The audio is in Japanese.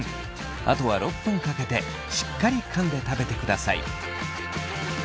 あとは６分かけてしっかりかんで食べてください。